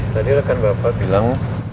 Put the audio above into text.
tadi rekan bapak bilang